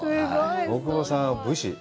大久保さんは武士！